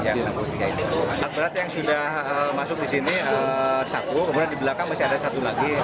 alat berat yang sudah masuk disini satu kemudian di belakang masih ada satu lagi